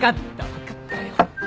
分かったよ。